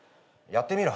やってみろ。